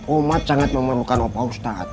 umat sangat memerlukan bapak ustadz